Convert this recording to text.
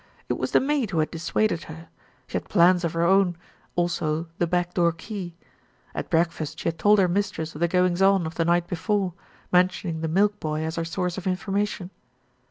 It was the maid who had dissuaded her; she had plans of her own, also the back door key. At breakfast she had told her mistress of the "goings on" of the night before, mentioning the milk boy as her source of information.